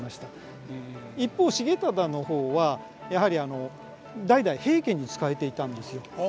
一方重忠の方はやはり代々平家に仕えていたんですよ。